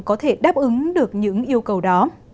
có thể đáp ứng được những yêu cầu đó